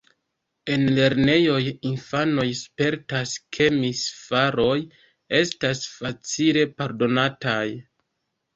En lernejoj infanoj spertas, ke misfaroj estas facile pardonataj.